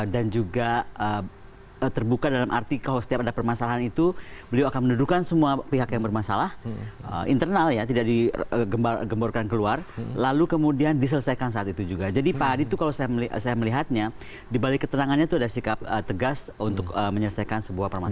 dan juga terbuka dalam arti kalau setiap ada permasalahan itu beliau akan menuduhkan semua pihak yang bermasalah internal ya tidak digemborkan keluar lalu kemudian diselesaikan saat itu juga jadi pak hadi itu kalau saya melihatnya dibalik ketenangannya itu ada sikap tegas untuk menyelesaikan sebuah permasalahan